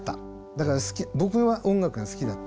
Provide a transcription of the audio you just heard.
だから僕は音楽が好きだった。